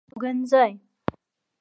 استوګنځي